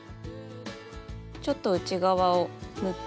ちょっと内側を縫っていきます。